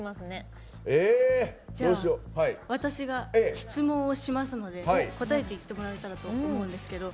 私が質問をしますので答えていってもらえたらと思うんですけど。